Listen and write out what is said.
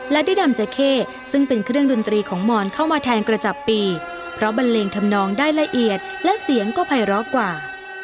และได้ดำเจเข้ซึ่งเป็นเครื่องดนตรีของมอนเข้ามาแทนกระจับปีเพราะบันเลงทำนองได้ละเอียดและเสียงก็ภัยร้อกว่า